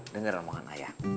denger omongan ayah